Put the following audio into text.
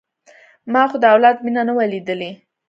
ما خو د اولاد مينه نه وه ليدلې.